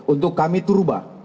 untuk kami turba